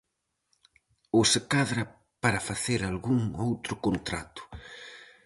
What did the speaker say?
Ou se cadra para facer algún outro contrato.